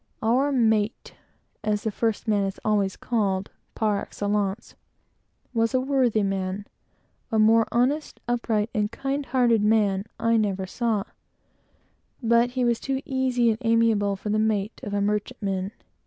Our mate (as the first mate is always called, par excellence) was a worthy man; a more honest, upright, and kind hearted man I never saw; but he was too good for the mate of a merchantman.